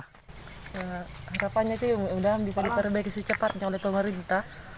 harapannya sudah bisa diperbaiki secepatnya oleh pemerintah